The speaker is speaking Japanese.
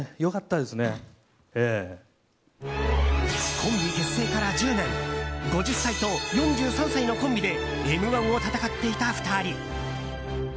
コンビ結成から１０年５０歳と４３歳のコンビで「Ｍ‐１」を戦っていた２人。